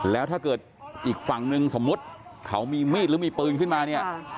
แล้วถ้าเกิดอีกฝั่งนึงสมมุติเขามีมีดหรือมีปืนขึ้นมาเนี่ย